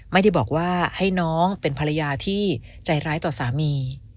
ไม่ได้บอกว่าให้น้องเป็นภรรยาที่ใจร้ายต่อสามี